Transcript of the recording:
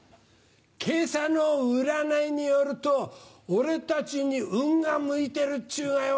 今朝の占いによると俺たちに運が向いてるっちゅうがよ。